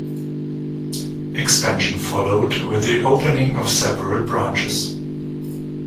Expansion followed with the opening of several branches.